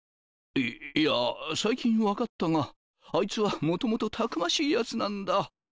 いいや最近分かったがあいつはもともとたくましいやつなんだ。